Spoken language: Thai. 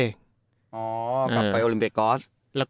อ๋อกลับไปโอลิมเปย์กอร์ส